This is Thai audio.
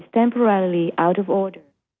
เทมโปรแรลลีอาวุธออก